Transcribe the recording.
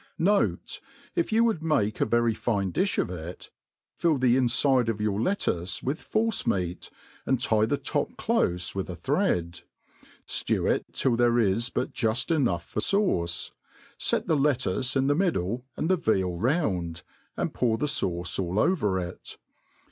Note, if you would make a very fine difli of it, fiU the in fide of your lettuce with force meat, and tie ^the top clofe with a thread ; ftew it till there is but juft enough for lauce ; fet the lettuce in the middle, and the veal round, and pour the fauce all over it.